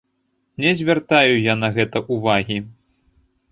Не звяртаю я на гэта ўвагі.